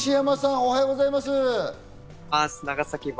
おはようございます。